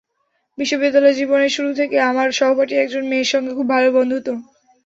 বিশ্ববিদ্যালয়-জীবনের শুরু থেকে আমার সহপাঠী একজন মেয়ের সঙ্গে খুব ভালো বন্ধুত্ব।